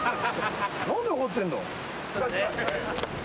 何で怒ってんの？